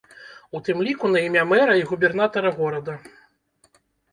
У тым ліку на імя мэра і губернатара горада.